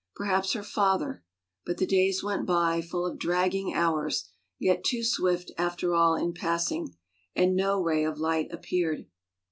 Perhaps her father — but the days went by, full of dragging hours yet too swift after all in passing, and no ray of light appeared.